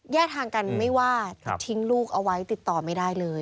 ทางกันไม่ว่าจะทิ้งลูกเอาไว้ติดต่อไม่ได้เลย